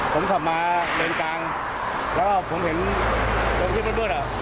ผมขับมาเมืองกลางแล้วผมเห็นเมืองที่เบื้อนอ่ะ